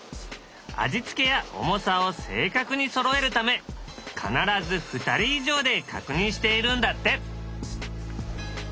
味付けや重さを正確にそろえるため必ず２人以上で確認しているんだって。